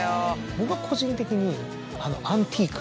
僕は個人的にあの。